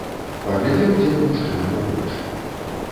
Паглядзеў дзед мужчынам у вочы.